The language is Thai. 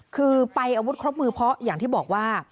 คือไปอาวุธครบมือเพราะอย่างที่บอกว่า